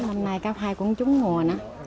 năm nay cá khoai cũng trúng mùa nữa